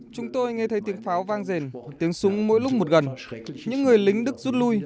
chúng tôi nghe thấy tiếng pháo vang rền tiếng súng mỗi lúc một gần những người lính đức rút lui